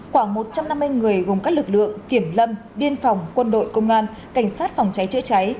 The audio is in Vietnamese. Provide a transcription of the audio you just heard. khoảng một trăm năm mươi người gồm các lực lượng kiểm lâm biên phòng quân đội công an cảnh sát phòng cháy chữa cháy